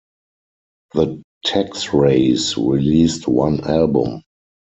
The Texreys released one album.